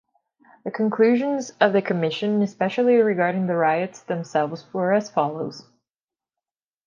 The conclusions of the Commission, especially regarding the riots themselves, were as follows.